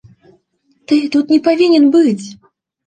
Ты тут не павінен быць.